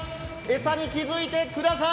餌に気付いてくださーい。